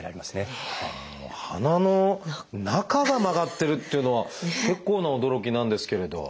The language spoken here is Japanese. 鼻の中が曲がってるっていうのは結構な驚きなんですけれど。